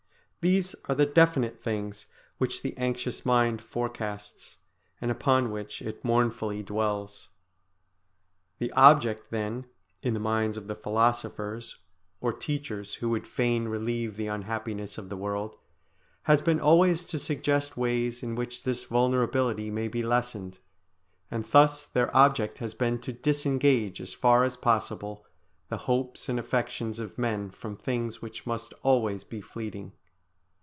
These are the definite things which the anxious mind forecasts, and upon which it mournfully dwells. The object then in the minds of the philosophers or teachers who would fain relieve the unhappiness of the world, has been always to suggest ways in which this vulnerability may be lessened; and thus their object has been to disengage as far as possible the hopes and affections of men from things which must always be fleeting.